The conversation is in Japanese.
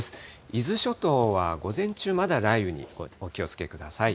伊豆諸島は午前中、まだ雷雨にお気をつけください。